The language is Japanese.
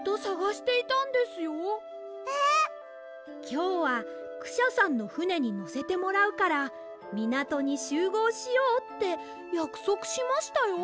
きょうはクシャさんのふねにのせてもらうからみなとにしゅうごうしようってやくそくしましたよ？